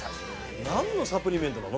なんのサプリメントなの？